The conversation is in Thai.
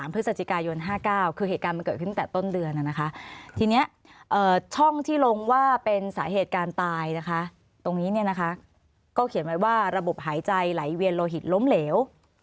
พฤศจิกายน๕๙คือเหตุการณ์มันเกิดขึ้นตั้งแต่ต้นเดือนนะคะทีนี้ช่องที่ลงว่าเป็นสาเหตุการตายนะคะตรงนี้เนี่ยนะคะก็เขียนไว้ว่าระบบหายใจไหลเวียนโลหิตล้มเหลว